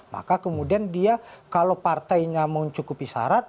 maka kemudian dia kalau partainya mencukupi syarat